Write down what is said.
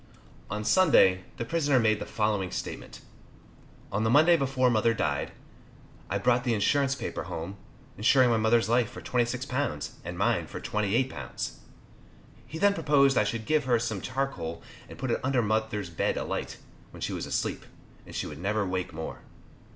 On Sunday, the prisoner made the following statement: On the Monday before mother died, I brought the insurance paper home, insuring my mother's life for £26, and mine for £28. He then proposed I should get some charcoal and put it under mother's bed alight, when she was asleep, and she would never wake more.